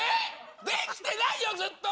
できてないよずっと！